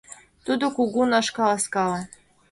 Тудо кугун ыш каласкале.